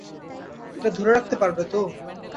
এটা ধরে রাখতে পারবে তো?